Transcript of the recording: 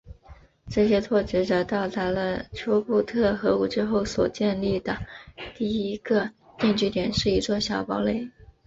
这些拓殖者到达了丘布特河谷之后所建立的第一个定居点是一座小堡垒。